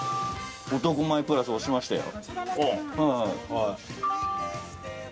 男前プラス押しましたよ。